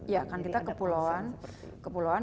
ya kan kita kepulauan